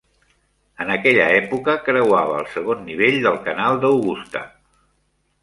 En aquella època creuava el segon nivell del canal d'Augusta.